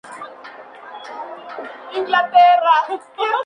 Louis Post-Dispatch All-Metro team.